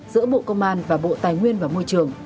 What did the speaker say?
giữa bộ công an và bộ tài nguyên và môi trường